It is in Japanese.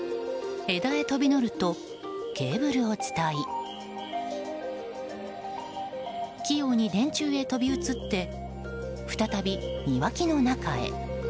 枝へ飛び乗るとケーブルを伝い器用に電柱へ飛び移って再び庭木の中へ。